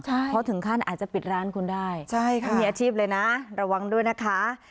เพราะถึงขั้นอาจจะปิดร้านคุณได้ไม่มีอาชีพเลยนะระวังด้วยนะคะ